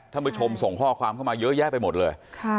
ท่านผู้ชมส่งข้อความเข้ามาเยอะแยะไปหมดเลย